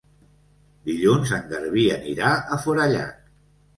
Dilluns en Garbí anirà a Forallac.